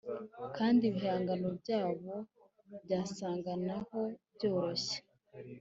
kandi ibihano byabo byasaga naho byoroshye